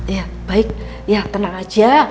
ya baik ya tenang aja